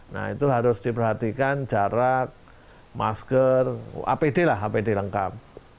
nah itu harus diperhatikan jarak masker apd lah apd lengkap